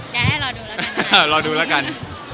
ไกลให้รอดูแล้วกัน